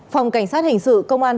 phòng cảnh sát hành sự công an